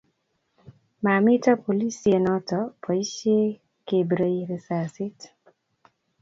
mamito polisie noto boisie kebiren risasit